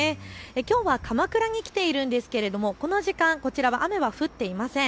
きょうは鎌倉に来ているんですけれどもこの時間、こちらは雨は降っていません。